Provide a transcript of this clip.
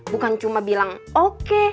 bukan cuma bilang oke